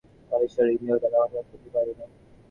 আমরা ঈশ্বরকে ইন্দ্রিয় দ্বারা অনুভব করিতে পারি না।